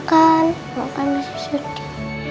karena kan opa masih surdi